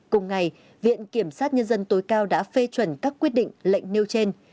cùng ngày viện kiểm sát nhân dân tối cao đã phê chuẩn các quyết định lệnh nêu trên